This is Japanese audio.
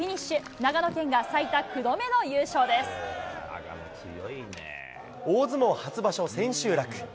長野県が最多、大相撲初場所千秋楽。